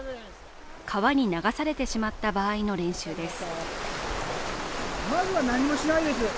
川に流されてしまった場合の練習です。